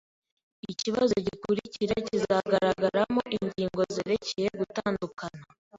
Ikibazo gikurikira kizagaragaramo ingingo zerekeye gutandukana.